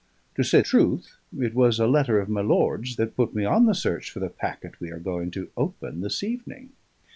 To say truth, it was a letter of my lord's that put me on the search for the packet we are going to open this evening.